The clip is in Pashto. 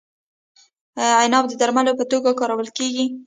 عناب د درملو په توګه کارول کیږي.